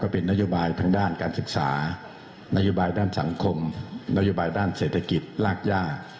เป็นนโยบายทางด้านการศึกษานโยบายด้านสังคมนโยบายด้านเศรษฐกิจรากย่า